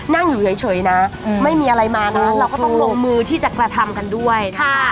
นั่งอยู่เฉยนะไม่มีอะไรมานะเราก็ต้องลงมือที่จะกระทำกันด้วย